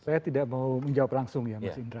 saya tidak mau menjawab langsung ya mas indra